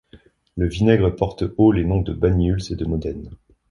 Le vinaigre porte haut les noms de Banyuls et de Modène.